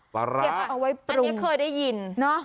ปลาร้าเอาไว้ปรุงอันนี้เคยได้ยินเนอะ